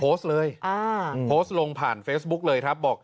โพสต์เลยอ่าโพสต์ลงผ่านเฟซบุ๊คเลยครับบอก